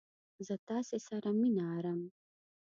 زه تاسې سره مينه ارم!